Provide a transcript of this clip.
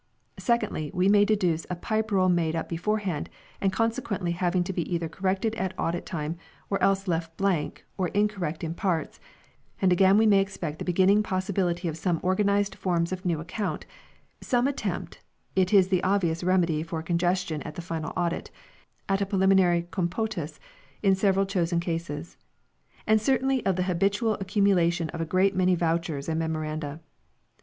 Secondly, we may deduce a Pipe Roll made up beforehand and consequently having to be either corrected at Audit time or else left blank or incorrect in parts ; and again we may expect the beginning possibly of some organized forms of new account some attempt (it is the obvious remedy for congestion at the final audit) at a preliminary " Compotus " in certain chosen cases ; and certainly of the habitual accumulation of a great many vouchers and Memoranda.